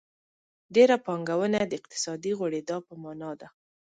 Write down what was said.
ډېره پانګونه د اقتصادي غوړېدا په مانا ده.